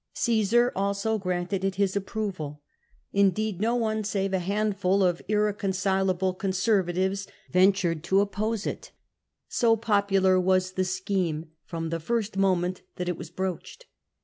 Caesar also granted it his approval. Indeed no one save a handful of irreconcilable Conservatives ventured to oppose it, so popular was the scheme from the first moment that it was broached.